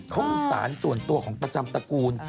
เขามีสารส่วนตัวของประจำตระกูล